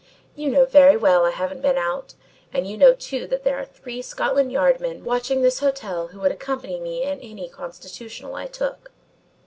"You know very well I haven't been out, and you know too that there are three Scotland Yard men watching this hotel who would accompany me in any constitutional I took."